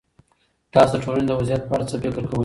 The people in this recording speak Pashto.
تاسو د ټولنې د وضعيت په اړه څه فکر کوئ؟